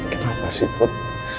kenapa sih put